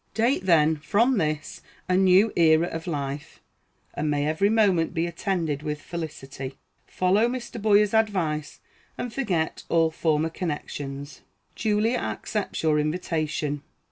Date then, from this, a new era of life; and may every moment be attended with felicity. Follow Mr. Boyer's advice and forget all former connections. Julia accepts your invitation.